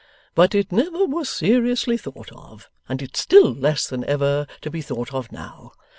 But it never was seriously thought of, and it's still less than ever to be thought of now.